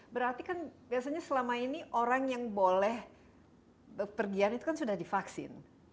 berarti kan biasanya selama ini orang yang boleh berpergian itu kan sudah divaksin